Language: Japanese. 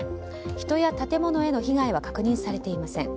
人や建物への被害は確認されていません。